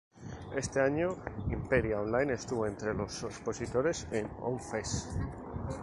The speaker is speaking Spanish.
Este año, Imperia Online estuvo entre los expositores en On! Fest.